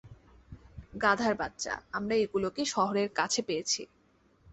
গাধার বাচ্চা, আমরা এগুলোকে শহরের কাছে পেয়েছি।